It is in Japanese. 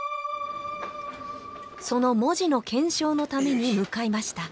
その文字の検証のために向かいました